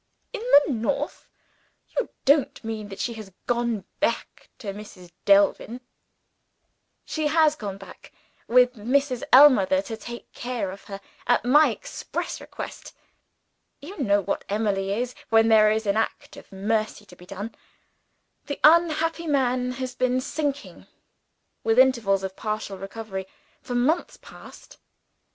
"In the North! You don't mean that she has gone back to Mrs. Delvin?" "She has gone back with Mrs. Ellmother to take care of her at my express request. You know what Emily is, when there is an act of mercy to be done. That unhappy man has been sinking (with intervals of partial recovery) for months past.